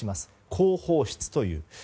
広報室という。